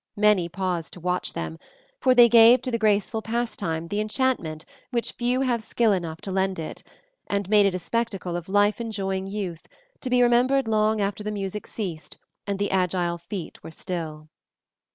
Many paused to watch them, for they gave to the graceful pastime the enchantment which few have skill enough to lend it, and made it a spectacle of life enjoying youth, to be remembered long after the music ceased and the agile feet were still.